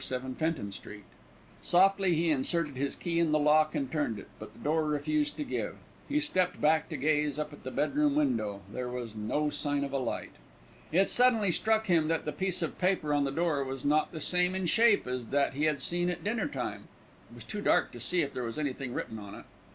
7 Fenton Street. Softly he inserted his key in the lock and turned it; but the door refused to give. He stepped back to gaze up at the bedroom window; there was no sign of a light. It suddenly struck him that the piece of paper on the door was not the same in shape as that he had seen at dinner time. It was too dark to see if there was anything written on it.